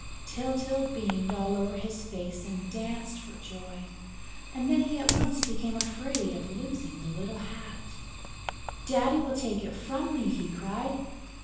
Tyltyl beamed all over his face and danced for joy; and then he at once became afraid of losing the little hat: "Daddy will take it from me!" he cried.